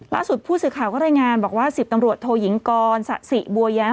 ล่าสุดผู้สื่อข่าวก็รายงานบอกว่า๑๐ตำรวจโทยิงกรสะสิบัวแย้ม